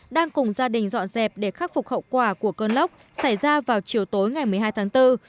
đang cùng gia đình dọn dẹp để khắc phục hậu quả của cơn lốc xảy ra vào chiều tối ngày một mươi hai tháng bốn